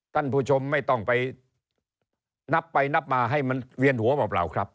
ท่านผู้ชมไม่ต้องไปนับไปนับมาให้มันเวียนหัวเปล่าครับ